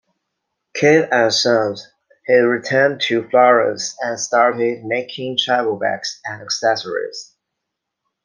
Cave and Sons, he returned to Florence and started making travel bags and accessories.